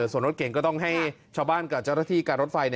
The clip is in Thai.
ส่วนรถเก่งก็ต้องให้ชาวบ้านกับเจ้าหน้าที่การรถไฟ